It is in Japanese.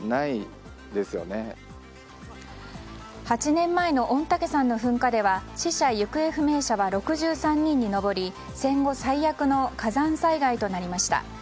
８年前の御嶽山の噴火では死者・行方不明者は６３人に上り戦後最悪の火山災害となりました。